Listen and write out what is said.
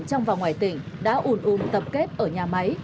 trong và ngoài tỉnh đã ủn ùn tập kết ở nhà máy